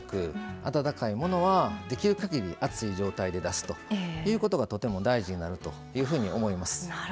温かいものは、できるかぎり熱い状態で出すということがとても大事になるというふうに思います。